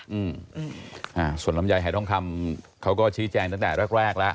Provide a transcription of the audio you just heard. อืมอ่าส่วนลำไยหายทองคำเขาก็ชี้แจงตั้งแต่แรกแรกแล้ว